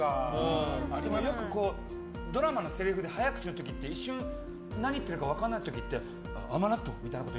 よくドラマのせりふで早口の時って一瞬何言ってるか分からない時って甘納豆みたいなこと